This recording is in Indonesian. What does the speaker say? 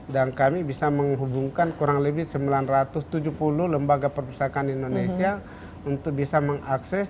dan kami bisa menghubungkan kurang lebih sembilan ratus tujuh puluh lembaga perpisahkan indonesia untuk bisa mengakses